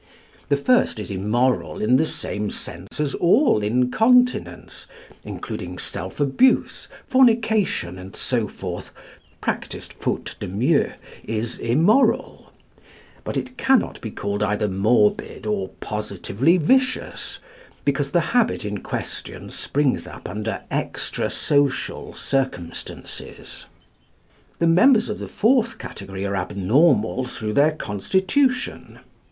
The first is immoral in the same sense as all incontinence, including self abuse, fornication, and so forth, practised faute de mieux, is immoral; but it cannot be called either morbid or positively vicious, because the habit in question springs up under extra social circumstances. The members of the fourth category are abnormal through their constitution.